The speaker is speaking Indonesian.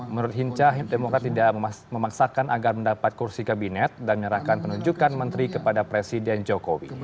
menurut hinca demokrat tidak memaksakan agar mendapat kursi kabinet dan menyerahkan penunjukan menteri kepada presiden jokowi